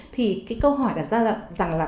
thì câu hỏi đặt ra là